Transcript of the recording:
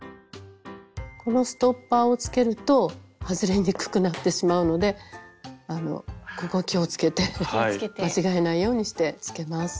このストッパーをつけると外れにくくなってしまうのでここ気をつけて間違えないようにしてつけます。